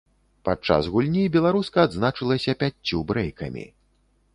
Падчас гульні беларуска адзначылася пяццю брэйкамі.